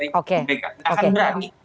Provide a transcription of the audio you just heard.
nggak akan berani